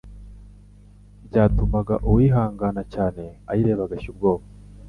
byatumaga uwihangana cyane ayireba agashya ubwoba.